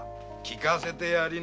・聞かせてやれ！